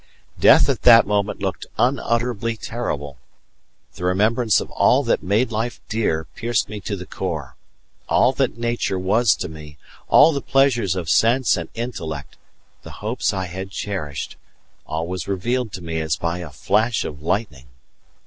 Death at that moment looked unutterably terrible. The remembrance of all that made life dear pierced me to the core all that nature was to me, all the pleasures of sense and intellect, the hopes I had cherished all was revealed to me as by a flash of lightning.